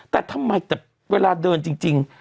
แต่ทำไมแต่เวลาเดินจริง